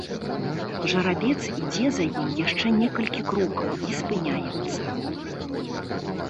Жарабец ідзе за ім яшчэ некалькі крокаў і спыняецца.